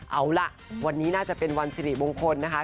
เอาล่ะวันนี้น่าจะเป็นวันสิริมงคลนะคะ